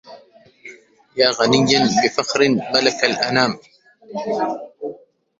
يا غنيا بفخر ملك الأنام